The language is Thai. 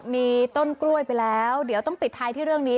มีต้นกล้วยไปแล้วเดี๋ยวต้องปิดท้ายที่เรื่องนี้